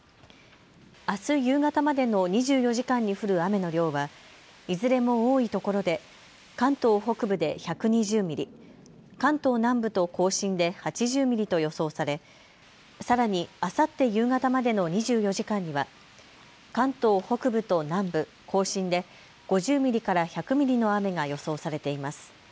あす夕方までの２４時間に降る雨の量はいずれも多いところで関東北部で１２０ミリ、関東南部と甲信で８０ミリと予想されさらに、あさって夕方までの２４時間には関東北部と南部、甲信で５０ミリから１００ミリの雨が予想されています。